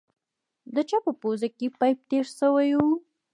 د چا په پوزه کښې پيپ تېر سوى و.